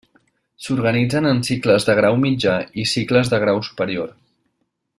S'organitzen en cicles de grau mitjà i cicles de grau superior.